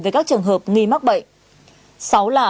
về các trường hợp nghi mắc bệnh